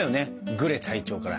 グレ隊長から。